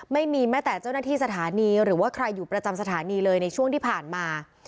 ไม่มีแม้แต่เจ้าหน้าที่สถานีหรือว่าใครอยู่ประจำสถานีเลยในช่วงที่ผ่านมา